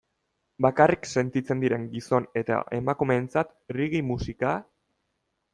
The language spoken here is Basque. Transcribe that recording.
Bakarrik sentitzen diren gizon eta emakumeentzat reggae musika?